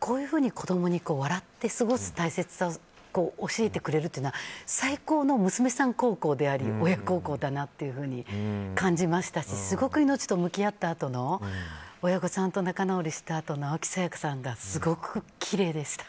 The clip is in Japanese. こういうふうに子供に笑って過ごす大切さを教えてくれるっていうのは最高の娘さん孝行であり親孝行だなと感じましたしすごく、命と向き合ったあとの親御さんと仲直りしたあとの青木さやかさんがすごくきれいでした。